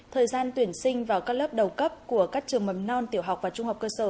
thời gian tuyển sinh vào các lớp đầu cấp của các trường mầm non tiểu học và trung học cơ sở